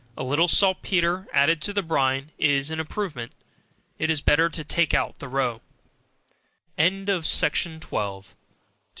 A little saltpetre, added to the brine, is an improvement. It is better to take out the roe. BUTTER, CHEESE, COFFEE, TEA, &c.